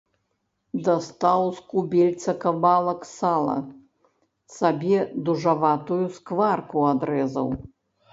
Дастаў з кубельца кавалак сала, сабе дужаватую скварку адрэзаў.